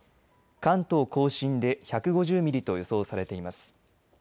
関東甲信で１５０ミリと予想されています。